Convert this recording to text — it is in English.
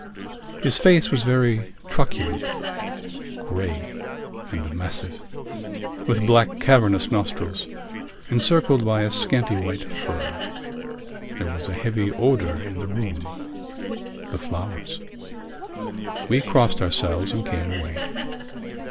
His face was very truculent, grey and massive, with black cavernous nostrils and circled by a scanty white fur. There was a heavy odour in the room—the flowers. We blessed ourselves and came away.